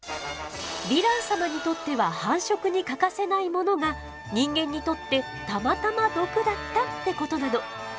ヴィラン様にとっては繁殖に欠かせないものが人間にとってたまたま毒だったってことなの。